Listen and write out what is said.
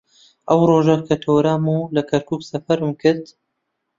ئەو ڕۆژە کە تۆرام و لە کەرکووک سەفەرم کرد